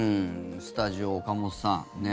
スタジオ、岡本さん。